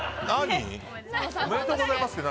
おめでとうございますって何。